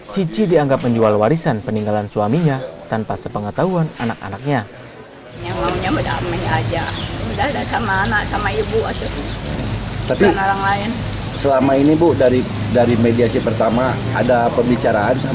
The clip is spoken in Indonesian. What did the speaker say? cici dianggap menjual warisan peninggalan suaminya tanpa sepengetahuan anak anaknya